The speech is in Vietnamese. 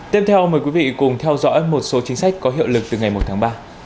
tiếp theo mời quý vị cùng theo dõi một số chính sách có hiệu lực từ ngày một tháng ba